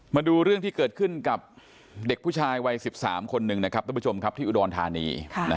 มาดูเรื่องที่เกิดขึ้นกับเด็กผู้ชายวัย๑๓คนหนึ่งนะครับทุกผู้ชมครับที่อุดรธานี